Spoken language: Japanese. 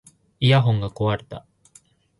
イヤホンが壊れた